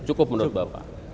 cukup menurut bapak